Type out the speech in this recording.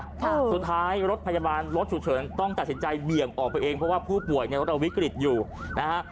ค่ะสุดท้ายรถพยาบาลรถฉุกเฉินต้องตัดสินใจเบี่ยงออกไปเองเพราะว่าผู้ป่วยในรถเราวิกฤตอยู่นะฮะ